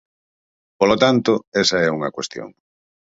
Polo tanto, esa é unha cuestión.